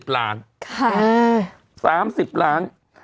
๓๐ล้านค่ะ๓๐ล้าน